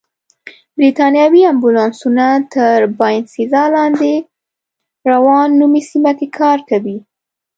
بریتانوي امبولانسونه تر باینسېزا لاندې په راون نومي سیمه کې کار کوي.